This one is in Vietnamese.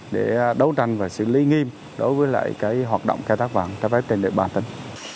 để đấu tranh và xử lý nghiêm đối với lại hoạt động khai thác vàng trái phép trên địa bàn tỉnh